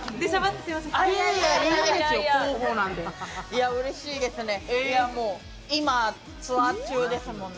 いや、うれしいですね。